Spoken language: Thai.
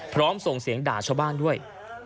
พร้อมส่งเสียงด่าชบ้านด้วย